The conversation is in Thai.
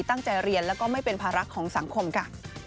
ตั้งใจเรียนแล้วก็ไม่เป็นภาระของสังคมค่ะ